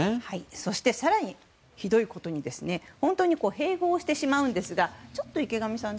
そして、更にひどいことに本当に併合してしまうんですがちょっと池上さん